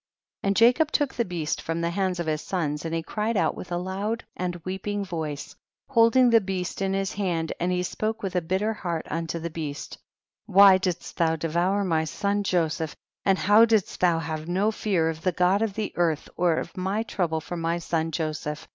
41 . And Jacob took the beast from the hands of his sons, and he cried out with a loud and weeping voice, holding the beast in his hand, and he spoke with a bitter heart unto the beast, whv didst thou devour my son Joseph, and how didst thou have no fear of the God of the earth, or of my trouble for my son Joseph